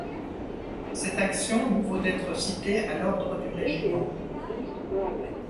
Cette action lui vaut d'être cité à l'ordre du régiment.